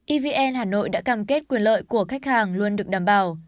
evn hà nội đã cam kết quyền lợi của khách hàng luôn được đảm bảo